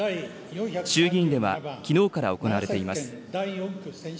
衆議院では、きのうから行われています。